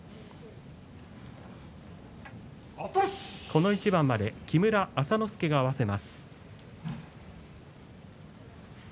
この一番まで木村朝之助が合わせます。